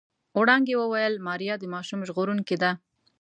وړانګې وويل ماريا د ماشوم ژغورونکې ده.